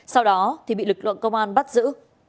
sau đó thì bị lực lượng công an bắt giữ